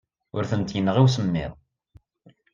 Ur tent-yenɣi usemmiḍ.